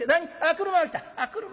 車が来た。